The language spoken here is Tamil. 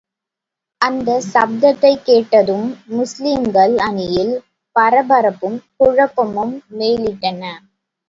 அந்தச் சப்தத்தைக் கேட்டதும், முஸ்லிம்கள் அணியில் பரபரப்பும், குழப்பமும் மேலிட்டன.